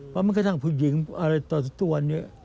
เพราะมันกระทั่งผู้หญิงอะไรต่อตัวนี้